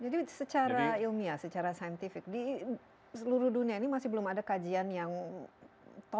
jadi secara ilmiah secara saintifik di seluruh dunia ini masih belum ada kajian yang menunjukkan